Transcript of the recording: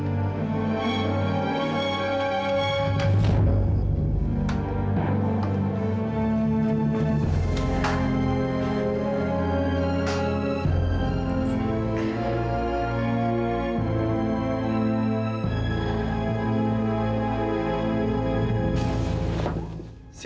namanya dengar bentuknya